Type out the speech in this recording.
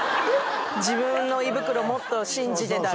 自分の胃袋もっと信じてたら。